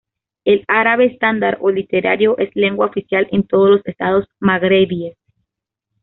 El árabe estándar o literario es lengua oficial en todos los Estados magrebíes.